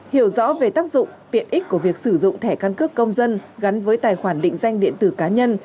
hiểu rõ về tác dụng tiện ích của việc sử dụng thẻ căn cước công dân gắn với tài khoản định danh điện tử cá nhân